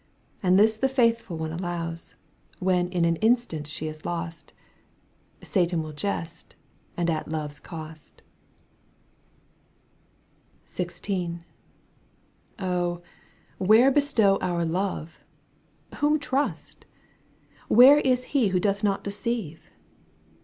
And this the faithful one allows. When in an instant she is lost, — Satan win jest, and at love's cost XVI. Oh ! where bestow our love ? Whom trust ?^ Where is he who doth not deceive